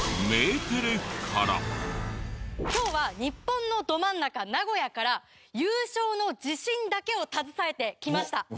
今日は日本のど真ん中名古屋から優勝の自信だけを携えて来ました。